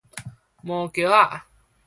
毛茄仔